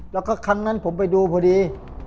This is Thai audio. แล้วผมไปดูพอดี